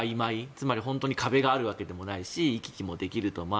つまり本当に壁があるわけでもないし行き来もできると。